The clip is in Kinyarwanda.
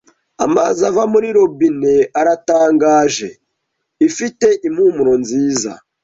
Amazi ava muri robine aratangaje. Ifite impumuro nziza.